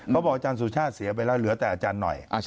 อาจารย์สุชาติเสียไปแล้วเหลือแต่อาจารย์หน่อย